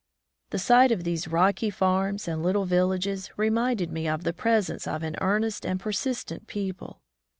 The sight of these rocky farms and little villages reminded me of the pres ence of an earnest and persistent people.